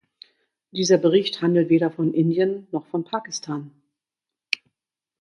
Dieser Bericht handelt weder von Indien noch von Pakistan.